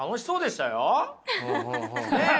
ねえ？